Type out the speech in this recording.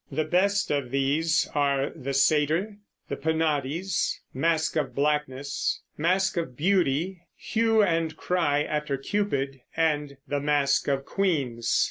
The best of these are "The Satyr," "The Penates," "Masque of Blackness," "Masque of Beauty," "Hue and Cry after Cupid," and "The Masque of Queens."